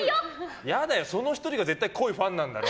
その１人が絶対濃いファンなんだろ。